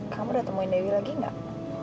kamu udah temuin dewi lagi gak